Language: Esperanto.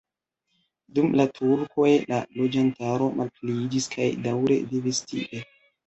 Dum la turkoj la loĝantaro malpliiĝis kaj daŭre vivis tie.